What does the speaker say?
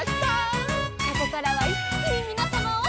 「ここからはいっきにみなさまを」